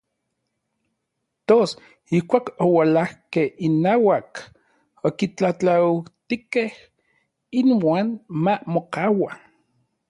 Tos ijkuak oualajkej inauak, okitlatlautijkej inuan ma mokaua.